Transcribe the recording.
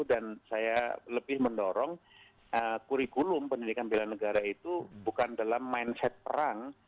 dan saya lebih mendorong kurikulum pendidikan pilihan negara itu bukan dalam mindset perang